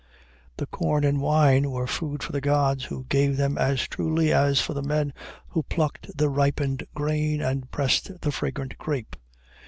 The corn and wine were food for the gods who gave them as truly as for the men who plucked the ripened grain and pressed the fragrant grape.